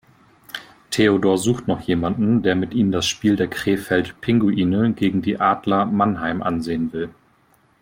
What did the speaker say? Theodor sucht noch jemanden, der mit ihm das Spiel der Krefeld Pinguine gegen die Adler Mannheim ansehen will.